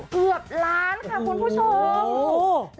เกือบล้านค่ะคุณผู้ชม